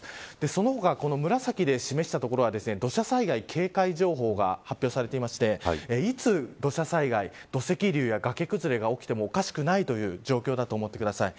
その他、紫で示した所は土砂災害警戒情報が発表されていていつ、土砂災害土石流や崖崩れが起きてもおかしくないという状況と思ってください。